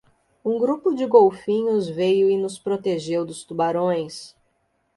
Um grupo de golfinhos veio e nos protegeu dos tubarões.